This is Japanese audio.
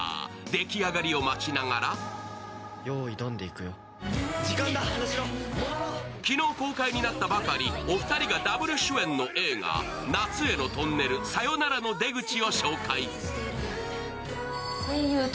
出来上がりを待ちながら昨日公開になったばかり、お二人がダブル主演の映画「夏へのトンネル、さよならの出口」を紹介。